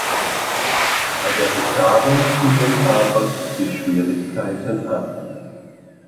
Bei der Bezahlung fingen aber die Schwierigkeiten an.